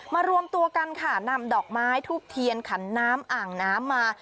รวมตัวกันค่ะนำดอกไม้ทูบเทียนขันน้ำอ่างน้ำมา